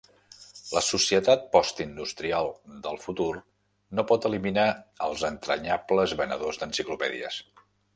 La societat postindustrial del futur no pot eliminar els entranyables venedors d'enciclopèdies.